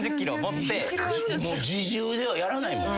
もう自重ではやらないもん。